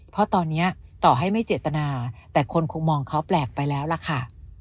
เพราะตอนนี้ต่อให้ไม่เจตนาแต่คนคงมองเขาแปลกไปแล้วล่ะค่ะ